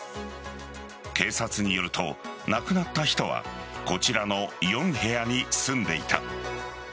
警察によると亡くなった人はこちらの４部屋に住んでいた。